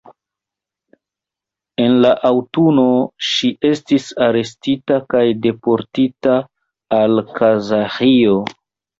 En la aŭtuno ŝi estis arestita kaj deportita al Kazaĥio.